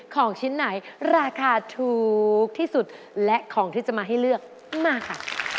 ของชิ้นไหนราคาถูกที่สุดและของที่จะมาให้เลือกมาค่ะ